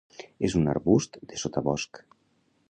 És un arbust de sotabosc.